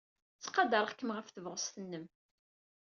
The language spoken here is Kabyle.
Ttqadareɣ-kem ɣef tebɣest-nnem.